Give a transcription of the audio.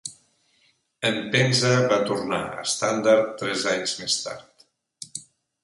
Mpenza va tornar a Standard tres anys més tard.